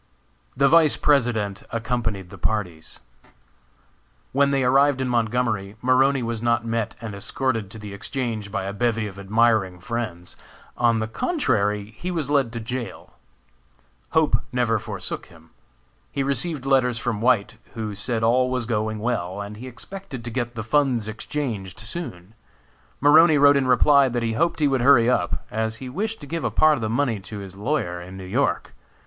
The Vice President accompanied the parties. When they arrived in Montgomery, Maroney was not met and escorted to the Exchange by a bevy of admiring friends. On the contrary, he was led to jail. Hope never forsook him. He received letters from White, who said all was going well, and he expected to get the funds exchanged soon. Maroney wrote in reply that he hoped he would hurry up, as he wished to give a part of the money to his lawyer in New York.